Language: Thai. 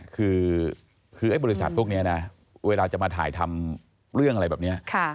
คือไอ้บริษัทพวกนี้นะเวลาจะมาถ่ายทำเรื่องอะไรแบบนี้